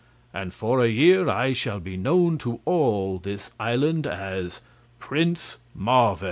And for a year I shall be known to all this island as Prince Marvel!"